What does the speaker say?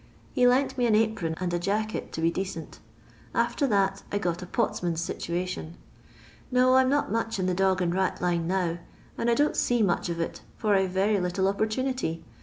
He lent me nn apron and a jacket to be decent After that I got a potman's situation. No, I 'm not much in the dog and rat line now, and don't see much of it, for I 've very little opportunity.